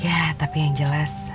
ya tapi yang jelas